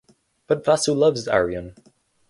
But Vasu loves Arjun.